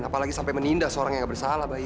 apalagi sampai menindas orang yang bersalah bayu